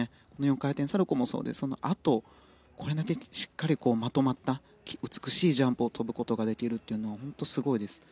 ４回転サルコウもそうですしそのあとこれだけしっかりまとまった美しいジャンプを跳ぶことができるのは本当にすごいです。